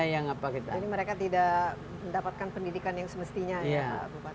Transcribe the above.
jadi mereka tidak mendapatkan pendidikan yang semestinya ya bupati